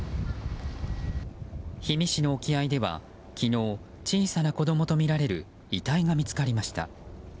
氷見市の沖合では昨日、小さな子供とみられる遺体が見つかりました。